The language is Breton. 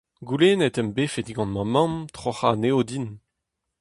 Goulennet em befe digant ma mamm troc'hañ anezho din.